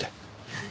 はい。